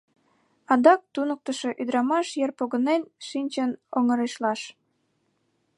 Адак туныктышо ӱдырамаш йыр погынен шинчын оҥырешлаш